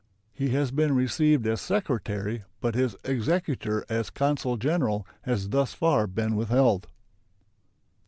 He has been received as secretary, but his exequatur as consul general has thus far been withheld.